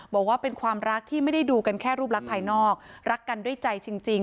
บอกว่าเป็นความรักที่ไม่ได้ดูกันแค่รูปรักภายนอกรักกันด้วยใจจริง